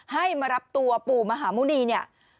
ให้มารับตัวปู่มหาหมุณีเนี่ย